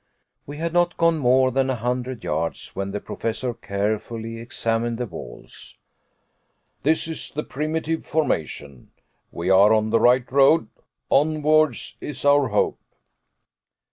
We had not gone more than a hundred yards when the Professor carefully examined the walls. "This is the primitive formation we are on the right road onwards is our hope!"